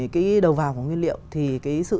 cái đầu vào của nguyên liệu thì cái sự